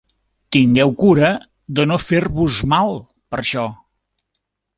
Tingueu cura de no fer-vos mal per això.